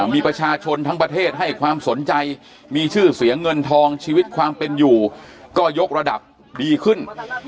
มีประชาชนทั้งประเทศให้ความสนใจมีชื่อเสียงเงินทองชีวิตความเป็นอยู่ก็ยกระดับดีขึ้น